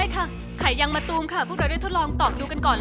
ใช่ค่ะไข่ยังมะตูมค่ะพวกเราได้ทดลองตอบดูกันก่อน